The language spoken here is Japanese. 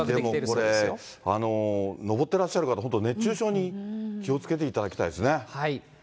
でもこれ、のぼってらっしゃる方、本当、熱中症に気をつけていただきたいですね。